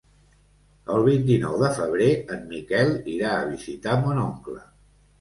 El vint-i-nou de febrer en Miquel irà a visitar mon oncle.